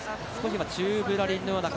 今、宙ぶらりんのような形。